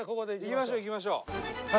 行きましょう行きましょう。